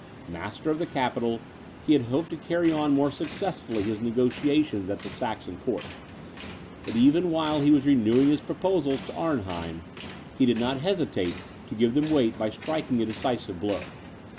Master of the capital, he hoped to carry on more successfully his negociations at the Saxon court; but even while he was renewing his proposals to Arnheim, he did not hesitate to give them weight by striking a decisive blow.